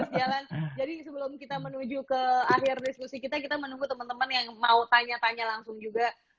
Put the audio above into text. sebelum kita menuju ke akhir diskusi kita kita menunggu teman teman yang mau tanya tanya langsung juga